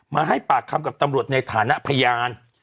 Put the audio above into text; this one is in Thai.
มาให้ปากคำกับตำรวจในฐานะพยาน